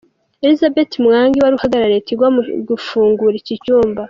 Elizabeth Mwangi wari uhagarariye Tigo mu gufungura iki cyumba.